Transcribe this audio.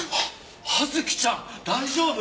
葉月ちゃん大丈夫？